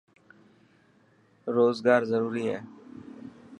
روزگار ضروري هي.